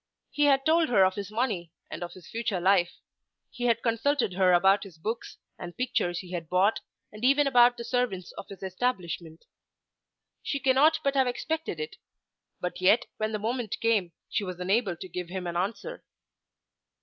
He had told her of his money, and of his future life. He had consulted her about his books, and pictures he had bought, and even about the servants of his establishment. She cannot but have expected it. But yet when the moment came she was unable to give him an answer.